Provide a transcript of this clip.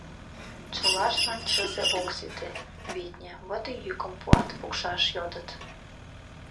Чылаштлан чызе ок сите, витне, вот и йӱкым пуат, пукшаш йодыт.